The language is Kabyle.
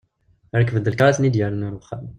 Rekben-d lkar ara ten-d-yerren ɣer uxxam.